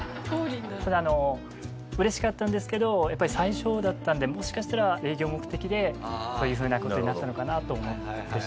ただ嬉しかったんですけどやっぱり最初だったんでもしかしたら営業目的でそういうふうな事になったのかなと思ってしまいました。